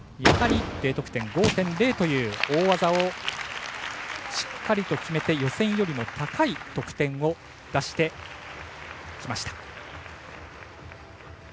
Ｄ得点、５．０という大技をしっかりと決めて予選よりも高い得点を出してきました。